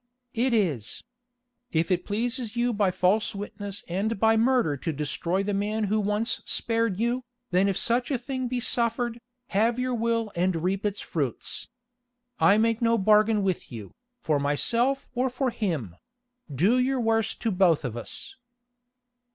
"It is. If it pleases you by false witness and by murder to destroy the man who once spared you, then if such a thing be suffered, have your will and reap its fruits. I make no bargain with you, for myself or for him—do your worst to both of us."